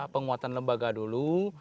penguatan lembaga dulu